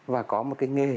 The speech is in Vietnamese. và có một cái nghề